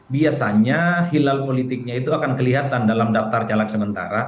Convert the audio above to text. biasanya hilal politiknya itu akan kelihatan dalam daftar caleg sementara